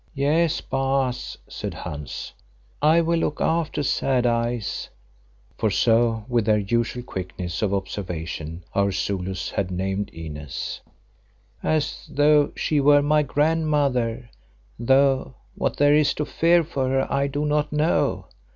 "Yes, Baas," said Hans, "I will look after 'Sad Eyes'"—for so with their usual quickness of observation our Zulus had named Inez—"as though she were my grandmother, though what there is to fear for her, I do not know.